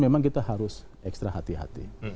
memang kita harus ekstra hati hati